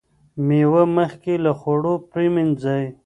مېوه مخکې له خوړلو پریمنځئ.